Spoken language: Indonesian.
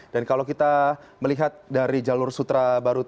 dan kalau kita melihat dari jalur sutra baru tiongkok xi jinping ini